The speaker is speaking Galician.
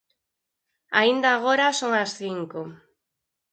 Aínda agora son as cinco.